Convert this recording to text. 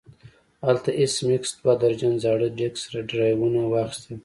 هلته ایس میکس دوه درجن زاړه ډیسک ډرایوونه واخیستل